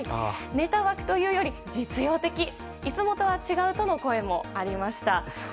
ネタ枠というより実用的いつもとは違うとの声もありました。